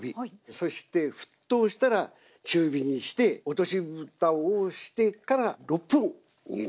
そして沸騰したら中火にして落としぶたをしてから６分煮ます。